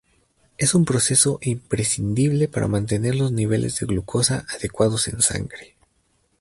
Es un proceso imprescindible para mantener los niveles de glucosa adecuados en sangre.